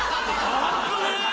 危ねえ！